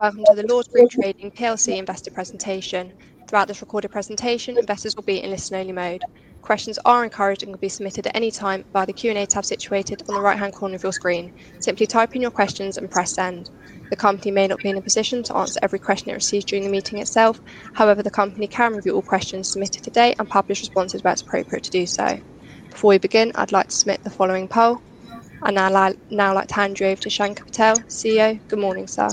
Welcome to the Lords Group Trading PLC investor presentation. Throughout this recorded presentation, investors will be in listen-only mode. Questions are encouraged and can be submitted at any time via the Q&A tab situated on the right-hand corner of your screen. Simply type in your questions and press send. The company may not be in a position to answer every question it receives during the meeting itself. However, the company can review all questions submitted today and publish responses where it's appropriate to do so. Before we begin, I'd like to submit the following poll. I'd now like to hand you over to Shanker Patel, CEO. Good morning, sir.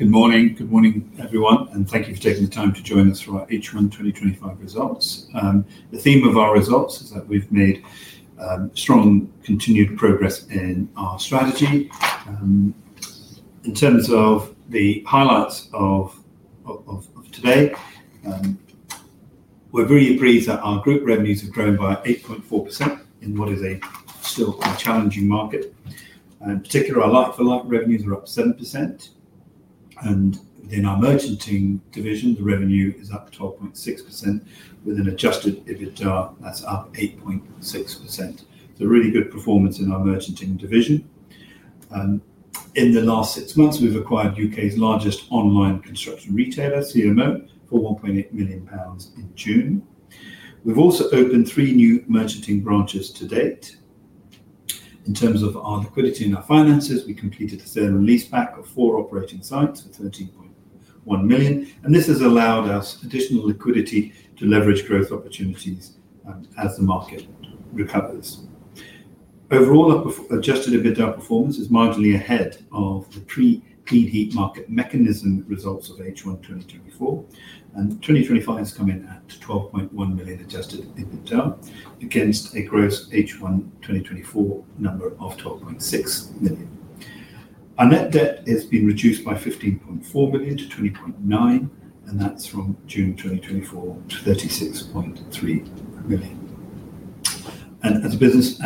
Good morning. Good morning, everyone, and thank you for taking the time to join us for our H1 2025 results. The theme of our results is that we've made strong continued progress in our strategy. In terms of the highlights of today, we're very pleased that our group revenues have grown by 8.4% in what is a still quite challenging market. In particular, our like-for-like revenues are up 7%. Within our merchanting division, the revenue is up 12.6% with an adjusted EBITDA that's up 8.6%. Really good performance in our merchanting division. In the last six months, we've acquired the UK's largest online construction retailer, CMO, for £1.8 million in June. We've also opened three new merchanting branches to date. In terms of our liquidity in our finances, we completed a sale and leaseback of four operating sites for £13.1 million. This has allowed us additional liquidity to leverage growth opportunities as the market recovers. Overall, our adjusted EBITDA performance is marginally ahead of the pre-CHMM results of H1 2024. 2025 has come in at £12.1 million adjusted EBITDA against a gross H1 2024 number of £12.6 million. Our net debt has been reduced by £15.4 million to £20.9 million, and that's from June 2024 to £36.3 million. As a business,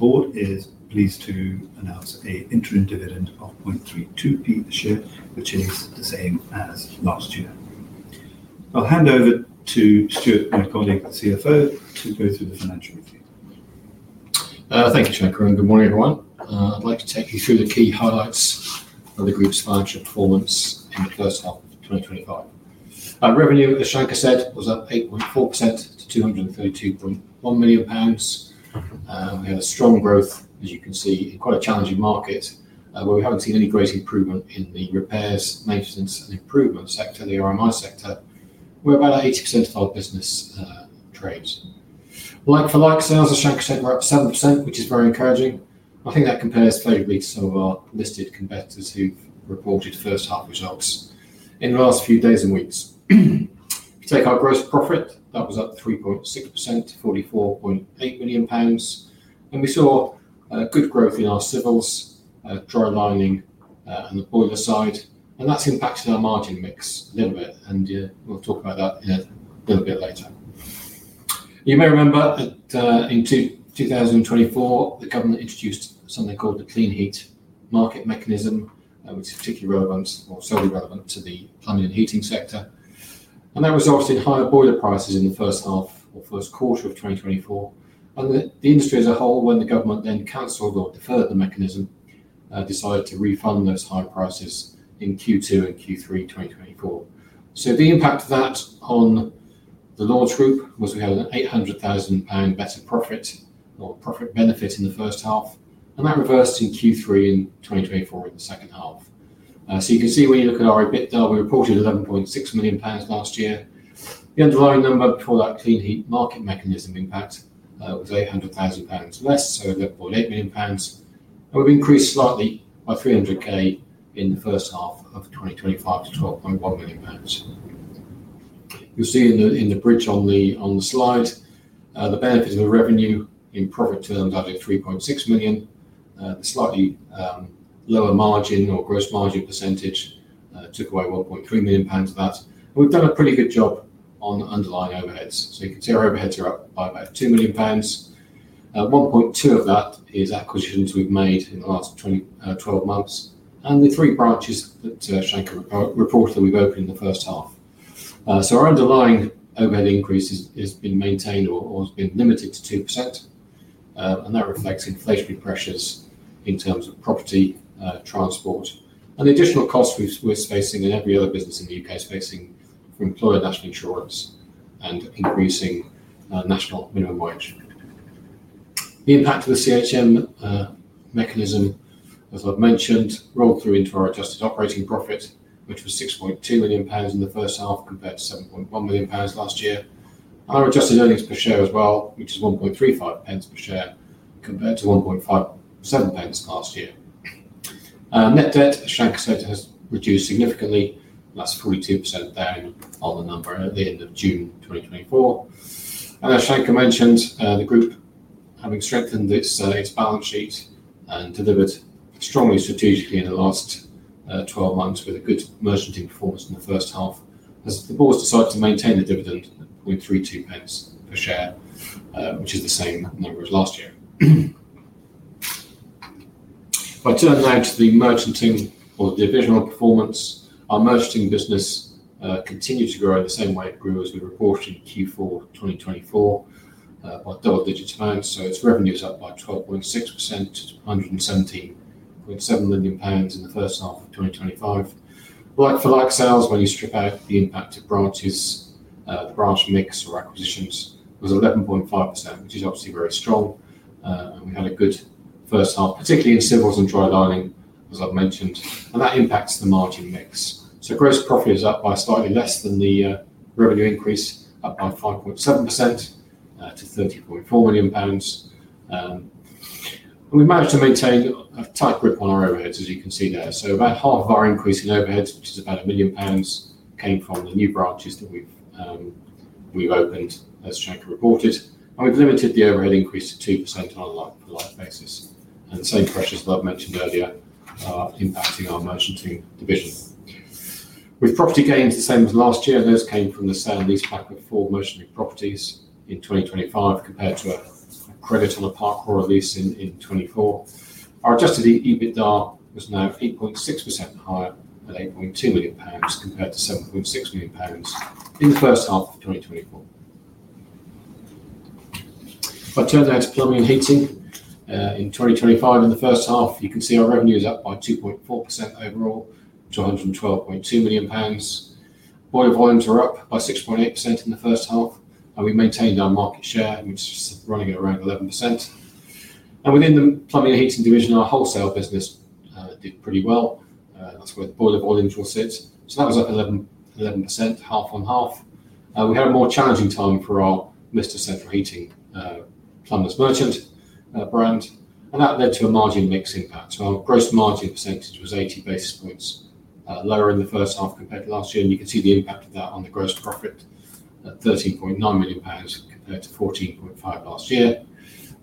Lords Group Trading is pleased to announce an interim dividend of £0.32 per share, which is the same as last year. I'll hand over to Stuart, my colleague, the CFO, to go through the financials. Thank you, Shanker, and good morning, everyone. I'd like to take you through the key highlights of the group's financial performance in the first half of 2025. Our revenue, as Shanker said, was up 8.4% to £232.1 million. We had a strong growth, as you can see, in quite a challenging market, but we haven't seen any great improvement in the repairs, maintenance, and improvements sector, the RMI sector. We're about 80% of our business, trades. Like-for-like sales, as Shanker said, were up 7%, which is very encouraging. I think that compares fairly well to some of our listed competitors who've reported first-half results in the last few days and weeks. If you take our gross profit, that was up 3.6% to £44.8 million. We saw a good growth in our civils, dry lining, and the boiler side. That has impacted our margin mix a little bit, and we'll talk about that a little bit later. You may remember that in 2024, the government introduced something called the Clean Heat Market Mechanism, which is particularly relevant, or so relevant, to the plumbing and heating sector. That resulted in higher boiler prices in the first half or first quarter of 2024. The industry as a whole, when the government then canceled or deferred the mechanism, decided to refund those high prices in Q2 and Q3 2024. The impact of that on Lords Group Trading was we had an £800,000 better profit or profit benefit in the first half, and that reversed in Q3 in 2024 in the second half. You can see when you look at our EBITDA, we reported £11.6 million last year. The underlying number for that Clean Heat Market Mechanism impact was £800,000 less, so £11.8 million. We've increased slightly by £300,000 in the first half of 2025 to £12.1 million. You'll see in the bridge on the slide, the benefit of the revenue in profit turned out at £3.6 million. The slightly lower margin or gross margin percentage took away £1.3 million of that. We've done a pretty good job on underlying overheads. You can see our overheads are up by about £2 million. 1.2% of that is acquisitions we've made in the last 12 months and the three branches that Shanker reported that we've opened in the first half. Our underlying overhead increase has been maintained or has been limited to 2%. That reflects inflationary pressures in terms of property, transport, and the additional costs we're facing and every other business in the UK is facing for employer national insurance and increasing national minimum wage. The impact of the CHMM, as I've mentioned, rolled through into our adjusted operating profit, which was £6.2 million in the first half compared to £7.1 million last year. Our adjusted earnings per share as well, which is £1.35 per share compared to £1.57 last year. Net debt, as Shanker said, has reduced significantly. That's 42% down on the number at the end of June 2024. As Shanker mentioned, the group having strengthened its balance sheet and delivered strongly strategically in the last 12 months with a good merchanting performance in the first half, the board decided to maintain the dividend at £0.32 per share, which is the same as last year. If I turned around to the merchanting or divisional performance, our merchanting business continued to grow in the same way it grew as we reported in Q4 2024 by double-digit pounds. Its revenue is up by 12.6% to £117.7 million in the first half of 2025. Like-for-like sales, when you strip out the impacted branches, the branch mix or acquisitions was 11.5%, which is obviously very strong. We had a good first half, particularly in civils and dry lining, as I've mentioned. That impacts the margin mix. Gross profit is up by slightly less than the revenue increase, up by 5.7% to £30.4 million. We've managed to maintain a tight grip on our overheads, as you can see there. About half of our increase in overheads, which is about £1 million, came from the new branches that we've opened, as Shanker reported. We've limited the overhead increase to 2% on a like-for-like basis. The same pressures, as I've mentioned earlier, are impacting our merchanting division. With property gains the same as last year, those came from the sale and leaseback of four merchanting properties in 2025 compared to a credit on the parcel, or at least in 2024. Our adjusted EBITDA was now 8.6% higher at £8.2 million compared to £7.6 million in the first half of 2024. If I turned down to plumbing and heating in 2025 in the first half, you can see our revenues are up by 2.4% overall to £112.2 million. Boiler volumes were up by 6.8% in the first half. We maintained our market share, which is running at around 11%. Within the plumbing and heating division, our wholesale business did pretty well. That's where the boiler volume draws in. That was up 11% half on half. We had a more challenging time for our list of central heating plumbers merchant brand, and that led to a margin mix impact. Our gross margin percentage was 80 basis points lower in the first half compared to last year. You can see the impact of that on the gross profit at £13.9 million compared to £14.5 million last year.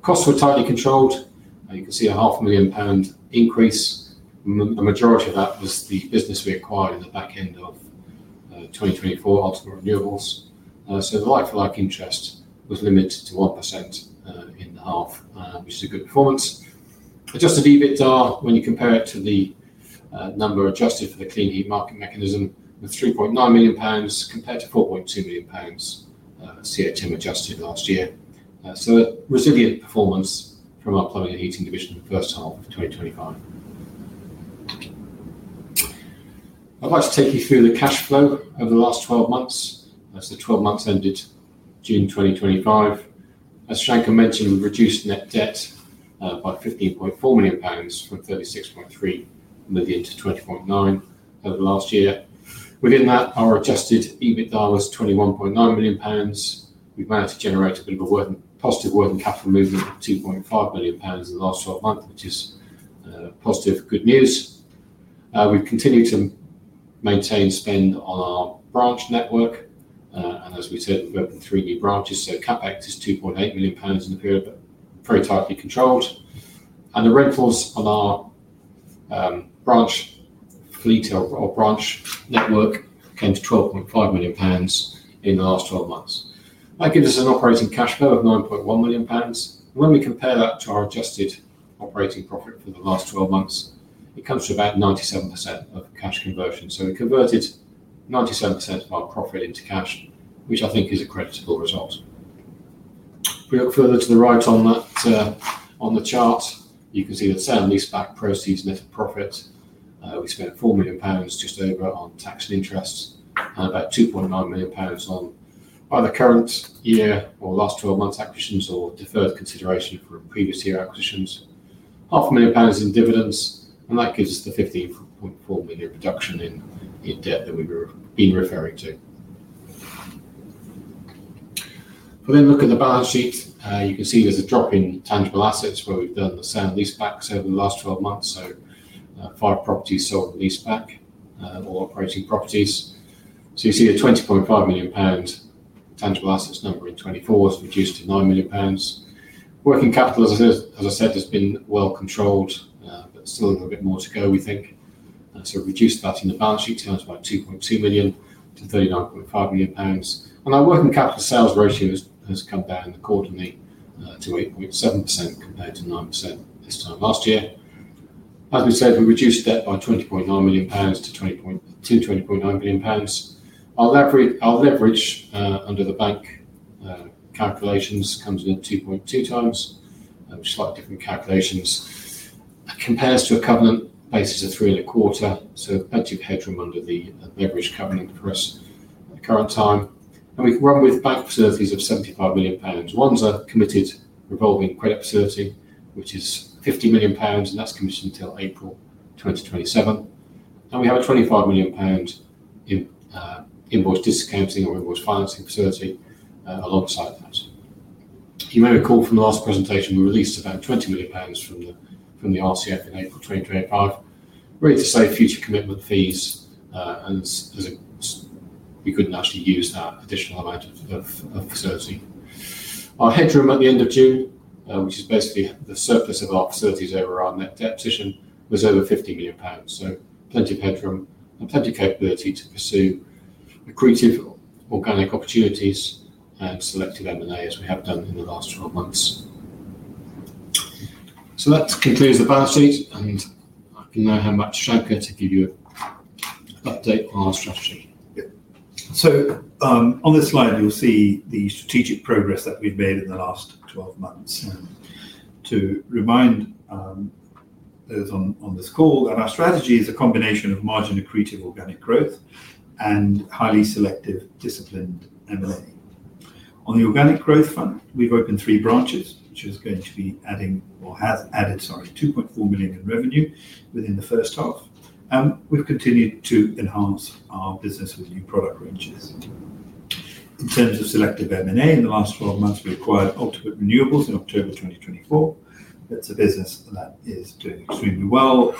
Costs were entirely controlled. You can see a half a million pound increase. A majority of that was the business we acquired in the back end of 2024 after renewables. I'd say the like-for-like interest was limited to 1% in the half, which is a good performance. Adjusted EBITDA, when you compare it to the number adjusted for the Clean Heat Market Mechanism, was £3.9 million compared to £4.2 million CHMM adjusted last year. A resilient performance from our plumbing and heating division in the first half of 2025. I'd like to take you through the cash flow over the last 12 months, so 12 months ended June 2025. As Shanker mentioned, we reduced net debt by £15.4 million from £36.3 million to £20.9 million over the last year. Within that, our adjusted EBITDA was £21.9 million. We went out to generate a bit of a positive working capital movement of £2.5 million in the last 12 months, which is positive, good news. We've continued to maintain spend on our branch network, and as we said, we've opened three new branches. CapEx is £2.8 million in the period, but very tightly controlled. The rentals on our branch, for detail of branch network, came to £12.5 million in the last 12 months. That gives us an operating cash flow of £9.1 million. When we compare that to our adjusted operating profit for the last 12 months, it comes to about 97% of cash conversion. We converted 97% of our profit into cash, which I think is a credible result. If we look further to the right on that, on the chart, you can see the sale and leaseback proceeds and net profit, which is about £4 million just over on tax and interests, and about £2.9 million on either current year or last 12 months acquisitions or deferred consideration for previous year acquisitions. Half a million pounds in dividends, and that gives us the £15.4 million reduction in debt that we were referring to. If I then look at the balance sheet, you can see there's a drop in tangible assets where we've done the sale and leaseback over the last 12 months. Five properties sold in leaseback or operating properties. You see the £20.5 million tangible assets number in 2024 was reduced to £9 million. Working capital, as I said, has been well controlled, but still a little bit more to go, we think, to reduce that in the balance sheet. Turns about £2.2 million to £39.5 million. Our working capital sales ratio has come down accordingly to 8.7% compared to 9% this time last year. As we said, we reduced that by £20.9 million to £20.9 million. Our leverage under the bank calculations comes in at 2.2 times, which is slightly different calculations. It compares to a covenant basis of three and a quarter, so an active hedge from under the leverage covenant for us at the current time. We've run with bank facilities of £75 million. One's a committed revolving credit facility, which is £50 million, and that's commissioned until April 2027. We have a £25 million invoice discounting or invoice financing facility alongside that. You may recall from the last presentation, we released about £20 million from the RCF in April 2025. We're able to save future commitment fees, as we couldn't actually use that additional arrangement for the facility. Our hedge room at the end of June, which is basically the surface of our facilities over our net debt position, was over £50 million. Plenty of hedge room and plenty of capability to pursue accretive organic opportunities and selective overlay as we have done in the last 12 months. That concludes the balance sheet, and you know how much I'm here to give you an update on our strategy. On this slide, you'll see the strategic progress that we've made in the last 12 months. To remind those on this call, our strategy is a combination of margin accretive organic growth and highly selective disciplined M&A. On the organic growth front, we've opened three branches, which is going to be adding or has added, sorry, £2.4 million in revenue within the first half. We've continued to enhance our business with new product ranges. In terms of selective M&A, in the last 12 months, we acquired Ultimate Renewables in October 2024. That's a business that is doing extremely well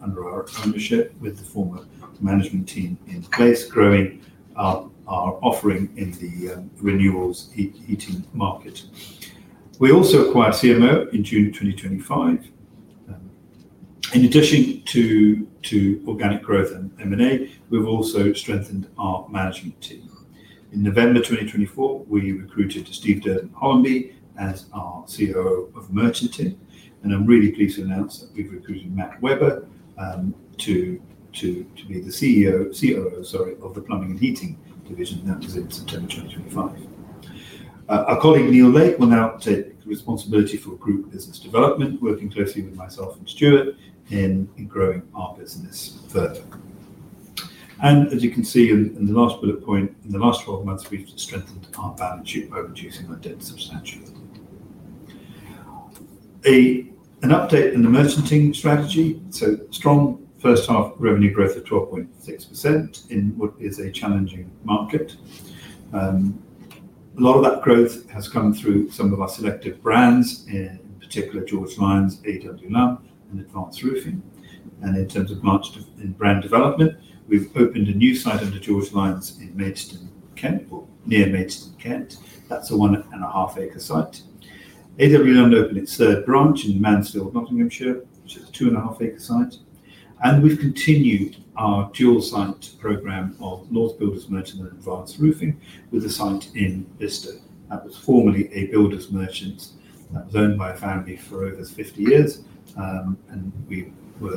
under our leadership with the former management team in place, growing our offering in the renewables heating market. We also acquired CMO in June 2025. In addition to organic growth and M&A, we've also strengthened our management team. In November 2024, we recruited Steve Hollandby as our CEO of Merchanting. I'm really pleased to announce that we've recruited Matt Webber to be the COO, sorry, of the plumbing and heating division now in December 2025. Our colleague Neil Lake will now take responsibility for Group Business Development, working closely with myself and Stuart in growing our business further. As you can see in the last bullet point, in the last 12 months, we've strengthened our balance sheet by reducing our debt substantially. An update in the merchanting strategy. Strong first half revenue growth at 12.6% in what is a challenging market. A lot of that growth has come through some of our selective brands, in particular George Lines, AW Lumb, and Advanced Roofing. In terms of marketing and brand development, we've opened a new site under George Lines in Maidstone, Kent, or near Maidstone, Kent. That's a one and a half acre site. AW Lumb opened its third branch in Mansfield, Nottinghamshire. It's a two and a half acre site. We've continued our dual site program of Lords Builders Merchant and Advanced Roofing with a site in Leicester. That was formerly a builders merchant that was owned by a family for over 50 years. We were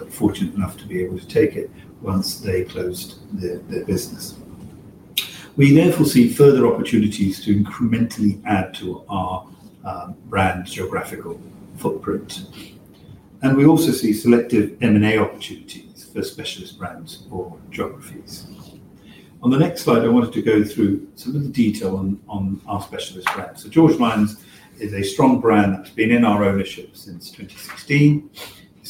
fortunate enough to be able to take it once they closed their business. We therefore see further opportunities to incrementally add to our brand's geographical footprint. We also see selective M&A opportunities for specialist brands for geographies.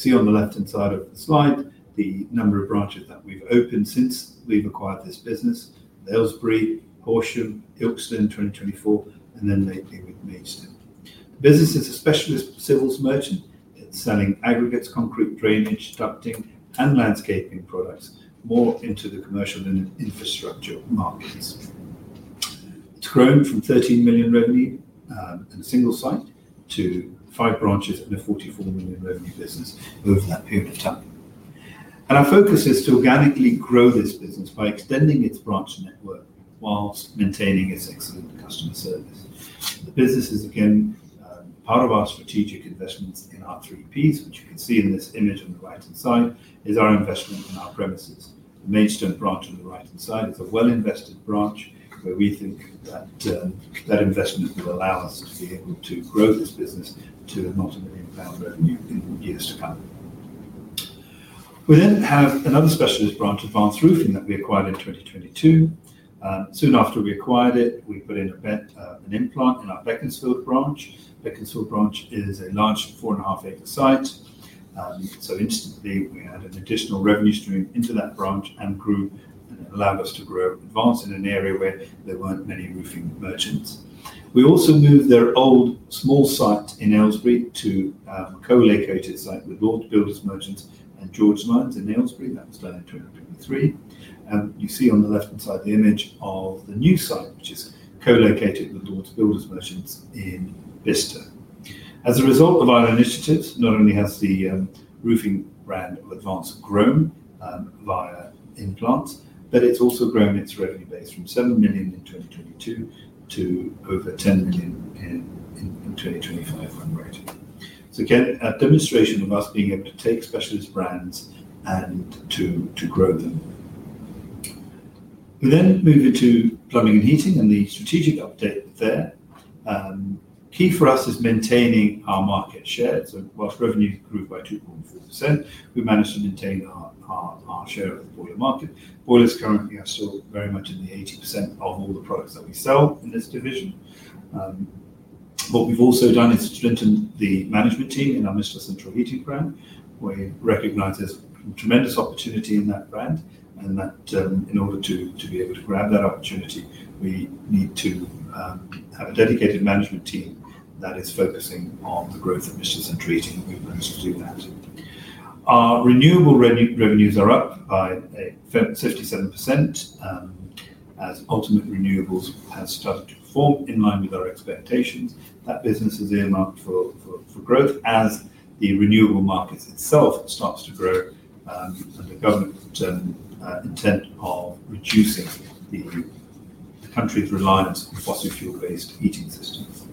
On the next slide, I wanted to go through some of the detail on our specialist brands. George Lines is a strong brand that's been in our ownership since 2016. You see on the left-hand side of the slide the number of branches that we've opened since we've acquired this business: The Ellsbury, Horsham, Ilkeston 2024, and then lately with Maidstone. The business is a specialist civils merchant. It's selling aggregates, concrete, drainage, ducting, and landscaping products more into the commercial and infrastructure markets. It's grown from £13 million revenue and single site to five branches and a £44 million revenue business over that period of time. Our focus is to organically grow this business by extending its branch network whilst maintaining its excellent customer service. Businesses, again, are part of our strategic investments in our three Ps, which you can see in this image on the right-hand side, is our investment in our premises. The Maidstone branch on the right-hand side is a well-invested branch where we think that that investment will allow us to be able to grow this business to the multi-million pound revenue years to come. We then have another specialist branch, Advanced Roofing, that we acquired in 2022. Soon after we acquired it, we put in a new plant in our Beaconsfield branch. Beaconsfield branch is a large 4.5 acre site. Instantly, we added an additional revenue stream into that branch and allowed us to grow Advanced Roofing in an area where there weren't many roofing merchants. We also moved their old small site in Aylesbury to a co-located site with Lords Builders Merchants and George Lines in Aylesbury. That was done in 2023. You see on the left-hand side the image of the new site, which is co-located with Lords Builders Merchants in Bicester. As a result of our initiatives, not only has the roofing brand or Advanced Roofing grown via implant, but it's also grown its revenue base from £7 million in 2022 to over £10 million in 2025 when we're ready. Again, a demonstration of us being able to take specialist brands and to grow them. We then move into plumbing and heating and the strategic update there. Key for us is maintaining our market share. Whilst revenue grew by 2.5%, we managed to maintain our share of the boiler market. Boilers currently are still very much in the 80% of all the products that we sell in this division. What we've also done is strengthen the management team in our Mistral Central Heating brand, where we recognize there's tremendous opportunity in that brand. In order to be able to grab that opportunity, we need to have a dedicated management team that is focusing on the growth of Mistral Central Heating. Our renewable revenues are up by 57% as Ultimate Renewables has started to perform in line with our expectations. That business is earmarked for growth as the renewable markets itself start to grow under government intent of reducing the country's reliance on fossil fuel-based heating systems.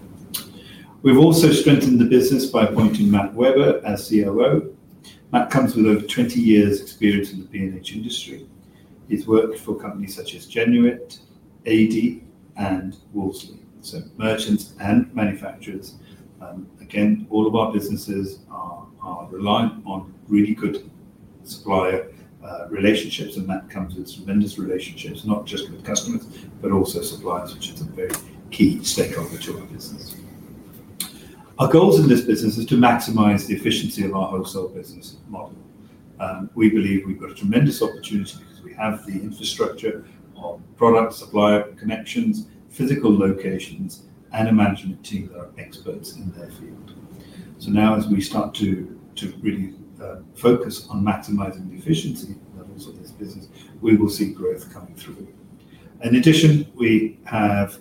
We've also strengthened the business by appointing Matt Webber as COO. Matt comes with over 20 years' experience in the P&H industry. He's worked for companies such as Genuit, Adey, and Wolseley. Merchants and manufacturers, again, all of our businesses are reliant on really good supplier relationships, and Matt comes with tremendous relationships, not just with customers, but also suppliers, which is a very key stakeholder to our business. Our goal in this business is to maximize the efficiency of our wholesale business model. We believe we've got a tremendous opportunity because we have the infrastructure, product-supplier connections, physical locations, and a management team that are experts in their field. Now, as we start to really focus on maximizing the efficiency levels of this business, we will see growth coming through. In addition, we have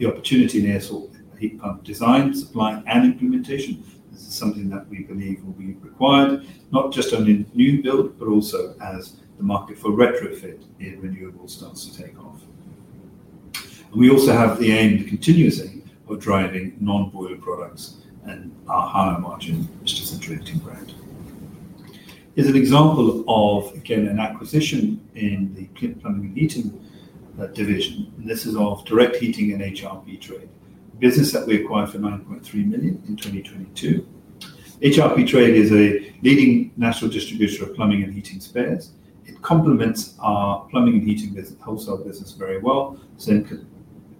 the opportunity in Air Source Heat Pumps design, supply, and implementation. This is something that we believe will be required, not just only new build, but also as the market for retrofit in renewables starts to take off. We also have the aim to continuously drive non-boiler products and our higher margin, which is a drifting brand. Here's an example of, again, an acquisition in the Clivet Plumbing and Heating division. This is of Direct Heating and HRP Trade, a business that we acquired for £9.3 million in 2022. HRP Trade is a leading national distributor of plumbing and heating spares. It complements our plumbing and heating wholesale business very well. Same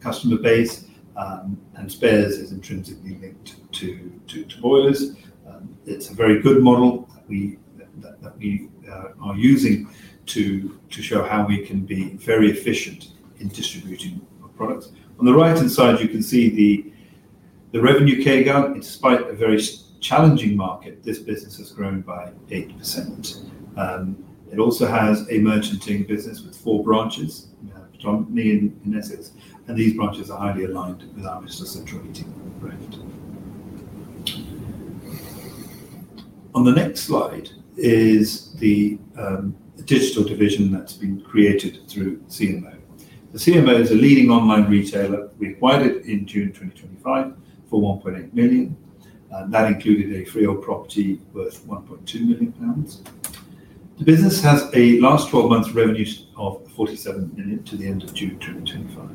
customer base, and spares is intrinsically linked to boilers. It's a very good model that we are using to show how we can be very efficient in distributing products. On the right-hand side, you can see the revenue CAGR. In spite of a very challenging market, this business has grown by 8%. It also has a merchanting business with four branches. We have a petroleum in essence, and these branches are highly aligned with our central heating operation. On the next slide is the digital division that's been created through CMO. CMO is a leading online retailer. We acquired it in June 2025 for £1.8 million, and that included a free-owned property worth £1.2 million. The business has a last 12 months revenue of £47 million to the end of June 2025.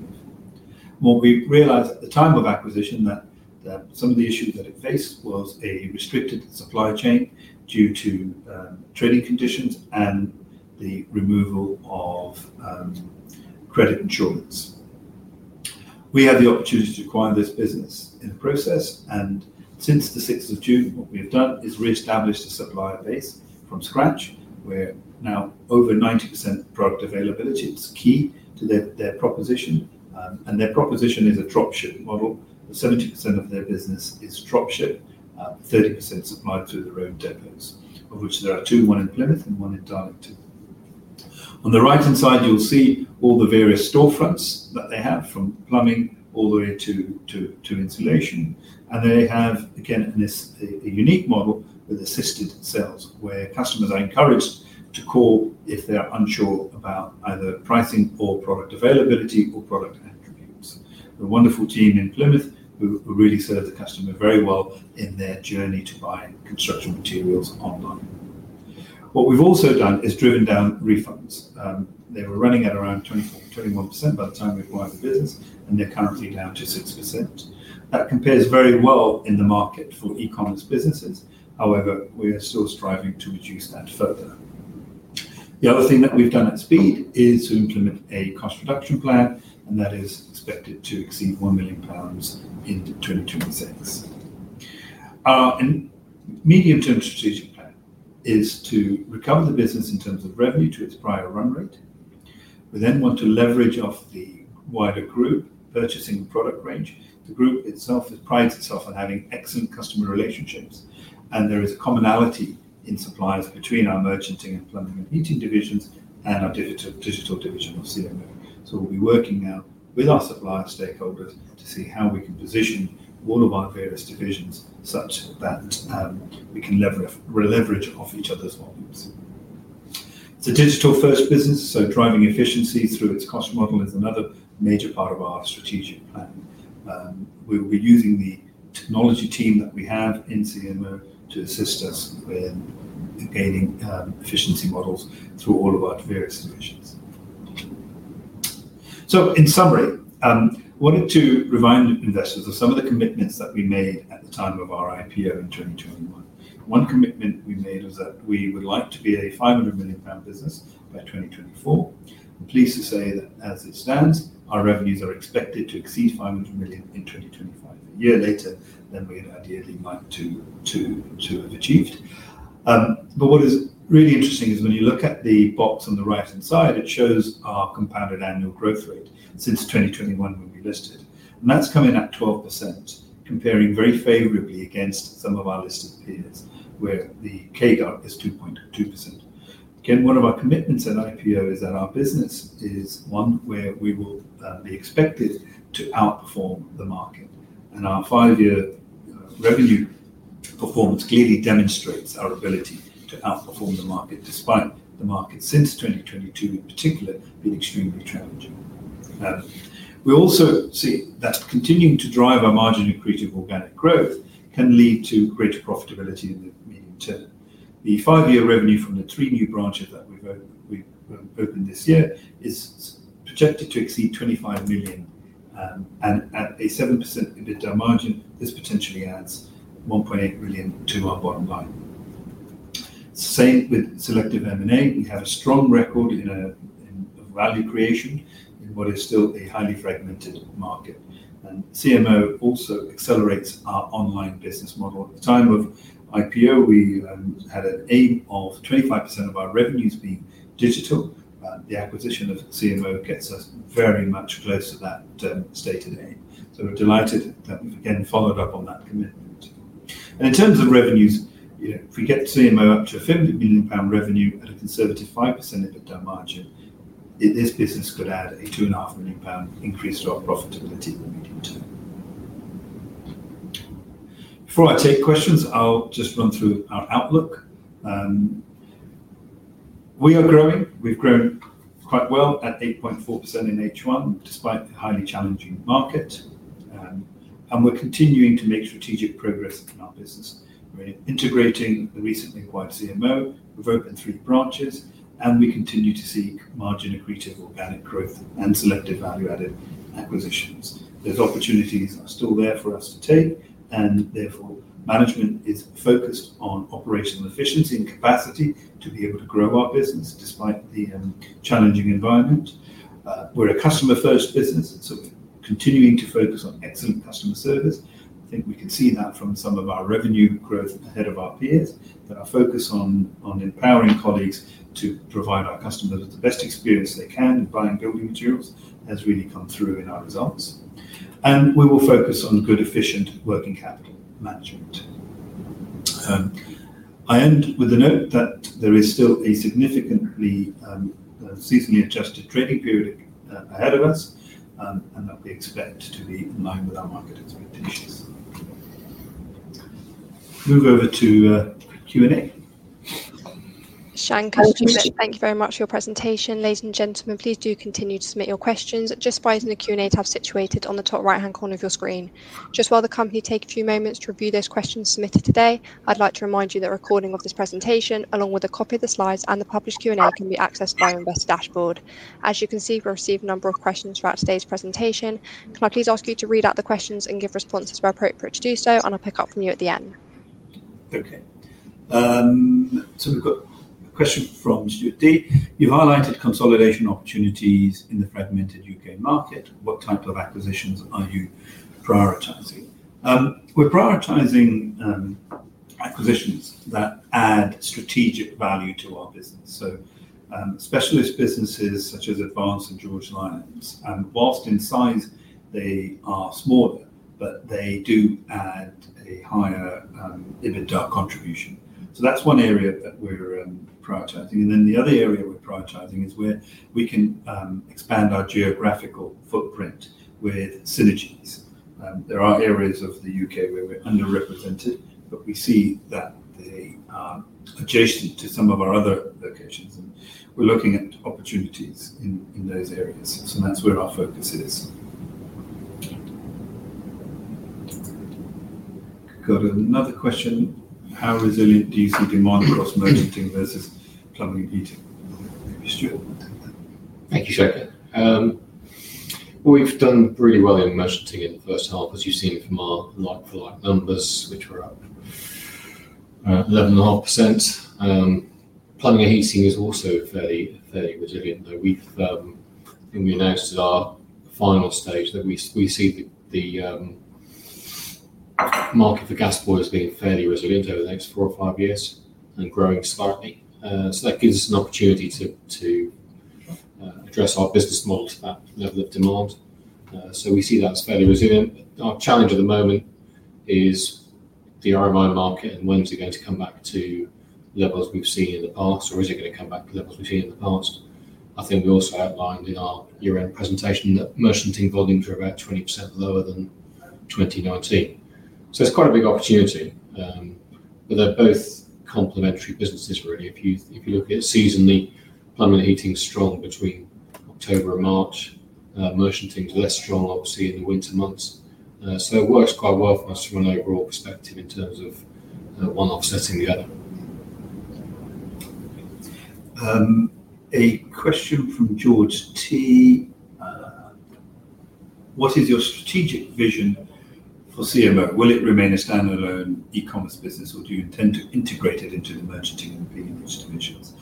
What we realized at the time of acquisition is that some of the issues that it faced were a restricted supply chain due to trading conditions and the removal of credit insurance. We had the opportunity to acquire this business in the process, and since the 6th of June, what we've done is reestablish the supplier base from scratch, where now over 90% product availability is key to their proposition. Their proposition is a dropship model, but 70% of their business is dropship, 30% supplied through their own depots, of which there are two, one in Plymouth and one in Darlington. On the right-hand side, you'll see all the various storefronts that they have from plumbing all the way to insulation. They have, again, in this a unique model with assisted sales, where customers are encouraged to call if they're unsure about either pricing or product availability or product attributes. A wonderful team in Plymouth who really serve the customer very well in their journey to buying construction materials online. What we've also done is driven down refunds. They were running at around 24% to 21% by the time we acquired the business, and they're currently down to 6%. That compares very well in the market for e-commerce businesses. However, we are still striving to reduce that further. The other thing that we've done at speed is to implement a cost reduction plan, and that is expected to exceed £1 million in 2027. Our medium-term strategic plan is to recover the business in terms of revenue to its prior run rate. We then want to leverage off the wider group purchasing product range. The group itself prides itself on having excellent customer relationships, and there is a commonality in suppliers between our merchanting and plumbing and heating divisions and our digital division of CMO. We will be working now with our supplier stakeholders to see how we can position all of our various divisions such that we can leverage off each other's ones. It's a digital-first business, so driving efficiency through its cost model is another major part of our strategic plan. We will be using the technology team that we have in CMO to assist us in gaining efficiency models through all of our various divisions. In summary, I wanted to remind investors of some of the commitments that we made at the time of our IPO in 2021. One commitment we made was that we would like to be a £500 million business by 2024. I'm pleased to say that as it stands, our revenues are expected to exceed £500 million in 2025, a year later than we'd ideally like to have achieved. What is really interesting is when you look at the box on the right-hand side, it shows our compound annual growth rate since 2021 when we listed. That's coming up 12%, comparing very favorably against some of our listed peers, where the CAGR is 2.2%. One of our commitments at IPO is that our business is one where we will be expected to outperform the market. Our five-year revenue performance clearly demonstrates our ability to outperform the market despite the market since 2022 in particular being extremely challenging. We also see that continuing to drive our margin accretive organic growth can lead to greater profitability in the medium term. The five-year revenue from the three new branches that we've opened this year is projected to exceed £25 million. At a 7% EBITDA margin, this potentially adds £1.8 million to our bottom line. With selective M&A, we have a strong record in value creation in what is still a highly fragmented market. CMO also accelerates our online business model. At the time of IPO, we had an aim of 25% of our revenues being digital. The acquisition of CMO gets us very much close to that stated aim. We're delighted that we've again followed up on that commitment. In terms of revenues, if we get the CMO up to £500 million revenue at a conservative 5% EBITDA margin, this business could add a £25 million increase to our profitability in the medium term. Before I take questions, I'll just run through our outlook. We are growing. We've grown quite well at 8.4% in H1, despite the highly challenging market. We're continuing to make strategic progress in our business. over to Q&A. Shanker, thank you very much for your presentation. Ladies and gentlemen, please do continue to submit your questions. Just find the Q&A tab situated on the top right-hand corner of your screen. While the company takes a few moments to review those questions submitted today, I'd like to remind you that a recording of this presentation, along with a copy of the slides and the published Q&A, can be accessed by our investor dashboard. As you can see, we've received a number of questions throughout today's presentation. Can I please ask you to read out the questions and give responses where appropriate to do so, and I'll pick up from you at the end? Okay. We've got a question from Stuart D. You've highlighted consolidation opportunities in the fragmented UK market. What type of acquisitions are you prioritizing? We're prioritizing acquisitions that add strategic value to our business. Specialist businesses such as Advanced Roofing and George Lines. Whilst in size, they are smaller, but they do add a higher EBITDA contribution. That's one area that we're prioritizing. The other area we're prioritizing is where we can expand our geographical footprint with synergies. There are areas of the UK where we're underrepresented, but we see that they are adjacent to some of our other locations. We're looking at opportunities in those areas. That's where our focus is. Got another question. How resilient do you see demand across merchanting versus plumbing and heating? Thank you, Shanker. We've done really well in merchanting in the first half, as you see from our like-for-like numbers, which are up 11.5%. Plumbing and heating is also fairly resilient. Though we've announced at our final stage that we see the market for gas boilers being fairly resilient over the next four or five years and growing so far. That gives us an opportunity to address our business model to that level of demand. We see that as fairly resilient. Our challenge at the moment is the RMI market and when is it going to come back to levels we've seen in the past, or is it going to come back to levels we've seen in the past? I think we also outlined in our year-end presentation that merchanting volumes are about 20% lower than 2019. It's quite a big opportunity. They're both complementary businesses, really. If you look at seasonally, plumbing and heating is strong between October and March. Merchanting is less strong, obviously, in the winter months. It works quite well for us from an overall perspective in terms of one offsetting the other. A question from George T. What is your strategic vision for CMO? Will it remain a standalone e-commerce business, or do you intend to integrate it into the merchanting and P&C divisions?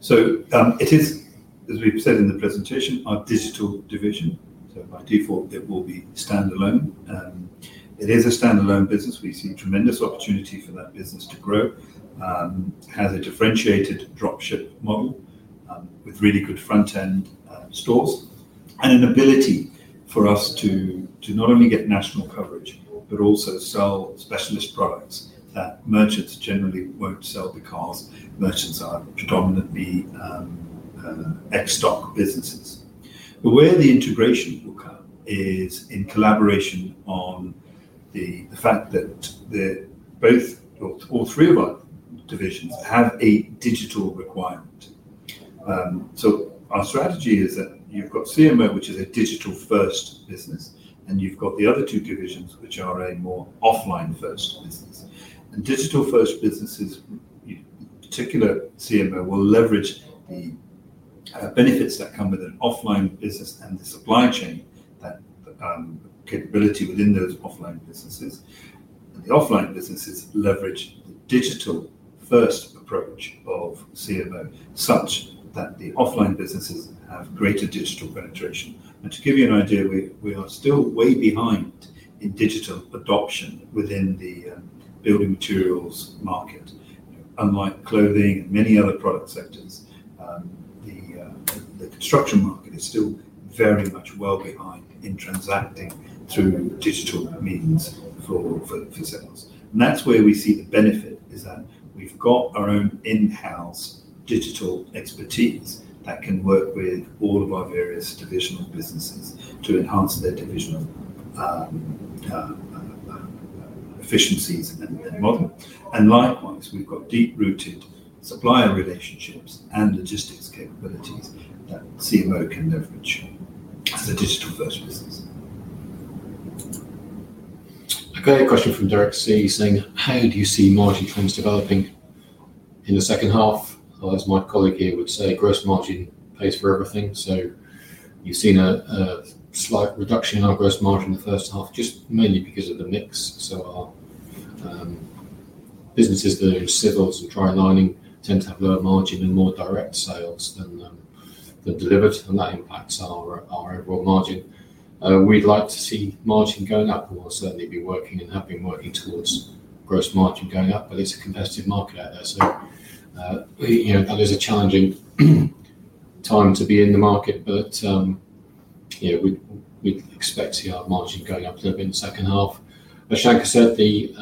It is, as we said in the presentation, our digital division. By default, it will be standalone. It is a standalone business. We see tremendous opportunity for that business to grow. It has a differentiated dropship model with really good front-end stores and an ability for us to not only get national coverage, but also sell specialist products that merchants generally won't sell because merchants are predominantly ex-stock businesses. Where the integration will come is in collaboration on the fact that both, or all three of our divisions, have a digital requirement. Our strategy is that you've got CMO, which is a digital-first business, and you've got the other two divisions, which are a more offline-first business. Digital-first businesses, in particular, CMO will leverage the benefits that come with an offline business and the supply chain capability within those offline businesses. The offline businesses leverage the digital-first approach of CMO such that the offline businesses have greater digital penetration. To give you an idea, we are still way behind in digital adoption within the building materials market. Unlike clothing and many other product sectors, the construction market is still very much well behind in transacting through digital means for sellers. That's where we see the benefit is that we've got our own in-house digital expertise that can work with all of our various division businesses to enhance their division efficiencies and models. Likewise, we've got deep-rooted supplier relationships and logistics capabilities that CMO can leverage as a digital-first business. A question from Derek C. saying, "How do you see margin trends developing in the second half?" As my colleague here would say, gross margin pays for everything. You've seen a slight reduction in our gross margin in the first half, just mainly because of the mix. Our businesses that are in civils, the dry lining, tend to have lower margin and more direct sales than the delivered, and that impacts our overall margin. We'd like to see margin going up, and we'll certainly be working and have been working towards gross margin going up, but it's a competitive market out there. That is a challenging time to be in the market, but we expect to see our margin going up a little bit in the second half. As Shanker said, the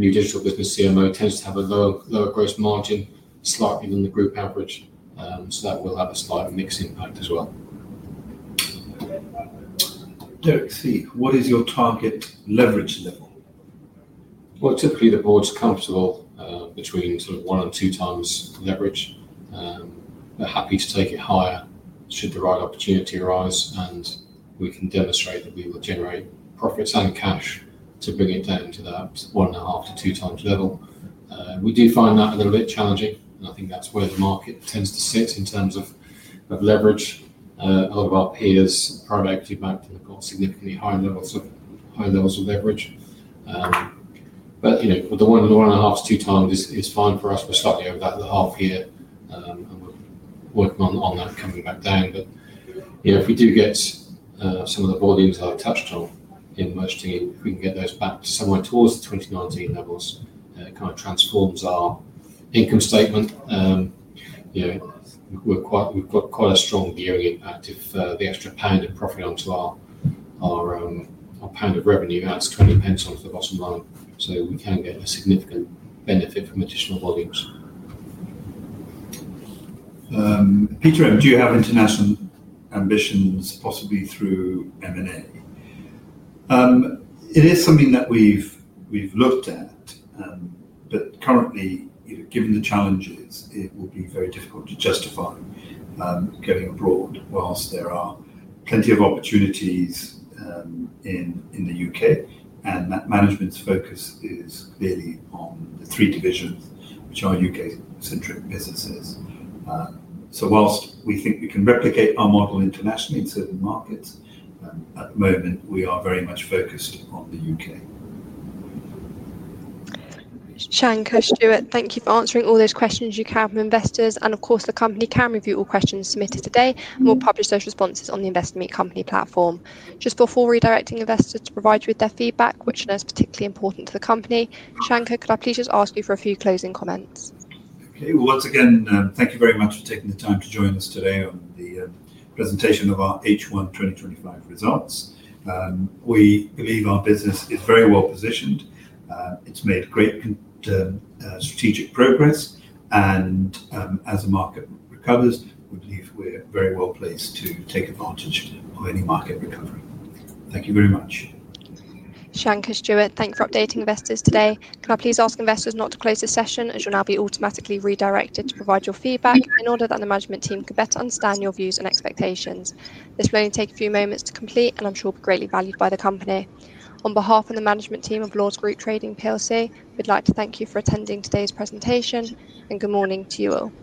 new digital business CMO tends to have a lower gross margin, slightly than the group average. That will add a slight mixed impact as well. Derek C., what is your target leverage level? Typically, the boards are comfortable between sort of one and two times leverage. We're happy to take it higher should the right opportunity arise, and we can demonstrate that we will generate profits and cash to bring it down to that 1.5 to 2 times level. We do find that a little bit challenging, and I think that's where the market tends to sit in terms of leverage. All of our peers are likely to have got significantly higher levels of leverage. The 1.5 to 2 times is fine for us. We're slightly over that at the half year, and we're working on that coming back down a bit. If we do get some of the volumes I've touched on in merchanting, if we can get those back somewhere towards the 2019 levels, it kind of transforms our income statement. We've got quite a strong viewing impact. If the extra pound of profit onto our pound of revenue adds £0.20 onto the bottom line, we can get a significant benefit from additional volumes. Peter, do you have international ambitions possibly through M&A? It is something that we've looked at, but currently, you know, given the challenges, it will be very difficult to justify going abroad whilst there are plenty of opportunities in the UK. Management's focus is clearly on the three divisions, which are UK-centric businesses. Whilst we think we can replicate our model internationally in certain markets, at the moment, we are very much focused on the UK. Shanker, Stuart, thank you for answering all those questions you can have from investors. Of course, the company can review all questions submitted today, and we'll publish those responses on the InvestmentMeet company platform. Just before redirecting investors to provide you with their feedback, which I know is particularly important to the company, Shanker, could I please just ask you for a few closing comments? Okay, once again, thank you very much for taking the time to join us today on the presentation of our H1 2025 results. We believe our business is very well positioned. It's made great strategic progress, and as the market recovers, we believe we're very well placed to take advantage of any market recovery. Thank you very much. Shanker, Stuart, thank you for updating investors today. Can I please ask investors not to close this session, as you'll now be automatically redirected to provide your feedback in order that the management team can better understand your views and expectations? This will only take a few moments to complete, and I'm sure it will be greatly valued by the company. On behalf of the management team of Lords Group Trading PLC, we'd like to thank you for attending today's presentation, and good morning to you all.